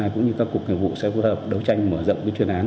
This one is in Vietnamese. cũng như các cục nghiệp vụ sẽ phối hợp đấu tranh mở rộng chuyên án